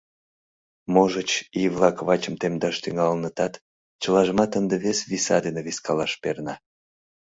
Можыч, ий-влак вачым темдаш тӱҥалынытат, чылажымат ынде вес виса дене вискалаш перна.